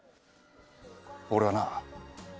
俺はな。